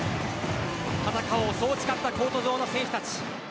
戦おうそう誓ったコート上の選手たち。